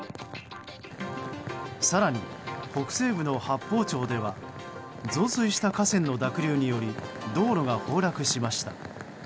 更に、北西部の八峰町では増水した河川の濁流により道路が崩落しました。